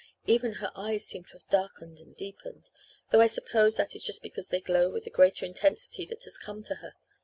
Even her eyes seem to have darkened and deepened though I suppose that is just because they glow with the greater intensity that has come to her.